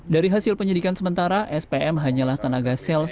dari hasil penyidikan sementara spm hanyalah tenaga sales